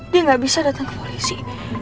dia nggak bisa datang ke polisi